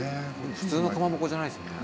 普通のかまぼこじゃないっすよね。